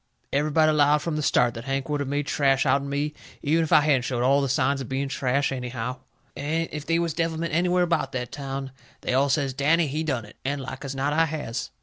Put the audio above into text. Everybody 'lowed from the start that Hank would of made trash out'n me, even if I hadn't showed all the signs of being trash anyhow. And if they was devilment anywhere about that town they all says, "Danny, he done it." And like as not I has.